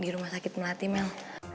di rumah sakit melati mel